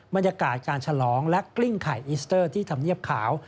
บรรยากาศการฉลองและกลิ้งไข่อิสเตอร์ที่ทำเนียบขาว